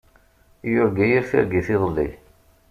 Yurga yir targit iḍelli.